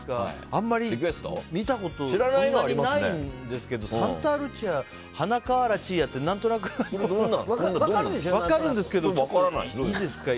あんまり見たことないんですけどサンタールーチーアー鼻から血ぃーやーって何となく分かるんですけどいいですか？